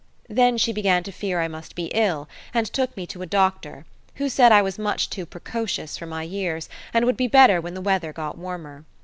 Then she began to fear I must be ill, and took me to a doctor, who said I was much too precocious for my years, and would be better when the weather got warmer.